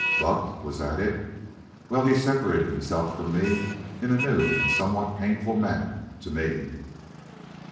"Bucked! Was that it? Well, he separated himself from me in a new and somewhat painful manner to me."